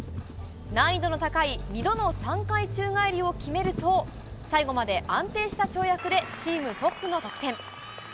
難易度の高い２度の３回宙返りを決めると、最後まで安定した跳躍でチームトップの得点。